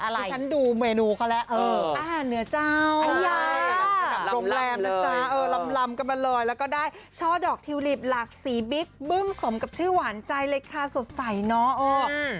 เพราะฉันดูเมนูเขาแล้วเนื้อเจ้าช่าดอกทิวลิปหลากสีบิ๊กบึ้มสมกับชื่อหวานใจเลยค่ะสดใสเนาะ